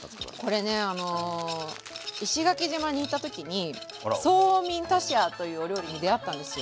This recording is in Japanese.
これね石垣島に行った時にソーミンタシヤーというお料理に出会ったんですよ。